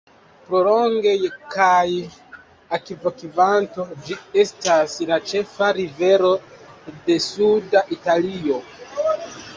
Pro longo kaj akvokvanto, ĝi estas la ĉefa rivero de suda Italio.